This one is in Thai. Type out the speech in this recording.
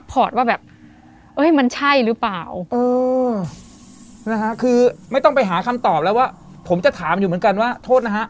คือไม่ต้องไปหาคำตอบแล้วว่าผมจะถามอยู่เหมือนกันว่าโทษนะฮะ